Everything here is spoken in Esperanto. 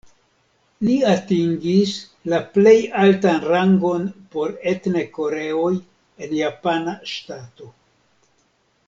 Li atingis la plej altan rangon por etne koreoj en japana ŝtato.